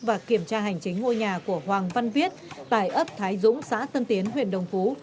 và kiểm tra hành chính ngôi nhà của hoàng văn viết tại ấp thái dũng xã tân tiến huyện đồng phú